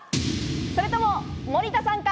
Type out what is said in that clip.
それとも森田さんか？